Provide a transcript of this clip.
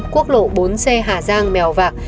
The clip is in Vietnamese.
quốc lộ bốn c hà giang mèo vạc